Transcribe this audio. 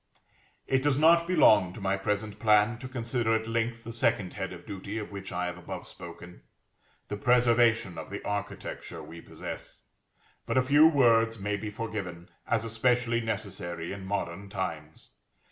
It does not belong to my present plan to consider at length the second head of duty of which I have above spoken; the preservation of the architecture we possess: but a few words may be forgiven, as especially necessary in modern times.